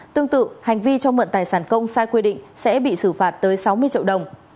tương tự hành vi cho mượn tài sản công sai quy định sẽ bị xử phạt tới sáu mươi triệu đồng